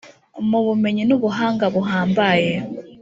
Mu bumenyi n’ubuhanga buhambaye